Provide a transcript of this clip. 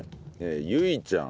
ゆいちゃん。